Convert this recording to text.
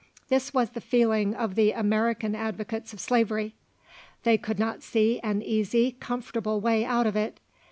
This was the feeling of the American advocates of slavery; they could not see an easy, comfortable way out of it.